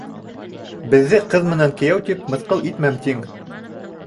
— Беҙҙе ҡыҙ менән кейәү тип мыҫҡыл итмәм, тиң!